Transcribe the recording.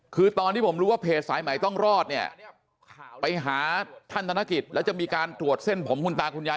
คือตอนที่ผมรู้ว่าเพจสายใหม่ต้องรอดเนี่ยไปหาท่านธนกิจแล้วจะมีการตรวจเส้นผมคุณตาคุณยาย